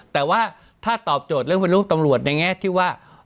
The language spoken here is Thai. แต่ว่าถ้าตอบโจทย์เรื่องเป็นลูกตำรวจในแง่ที่ว่า